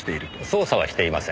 捜査はしていません。